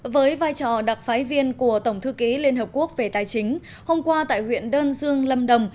với vai trò đặc phái viên của tổng thư ký liên hợp quốc về tài chính hôm qua tại huyện đơn dương lâm đồng